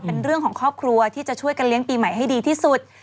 เป็นเรื่องของครอบครัวที่จะช่วยกันเลี้ยงปีใหม่ให้ดีที่สุด